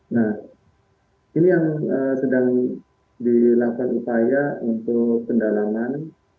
nah ini yang sedang dilakukan upaya untuk pendalaman